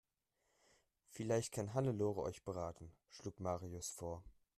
"Vielleicht kann Hannelore euch beraten", schlug Marius vor.